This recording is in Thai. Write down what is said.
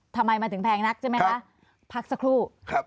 ทำไมมันถึงแพงนักใช่ไหมคะพักสักครู่ครับ